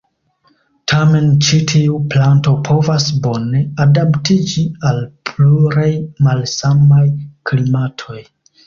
Tamen ĉi tiu planto povas bone adaptiĝi al pluraj malsamaj klimatoj.